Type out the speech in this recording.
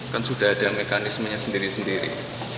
kan sudah ada mekanismenya sendiri sendiri